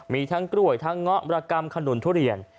มีทั้งกล้วยทั้งเงาะมรกรรมขนุนทุเรียน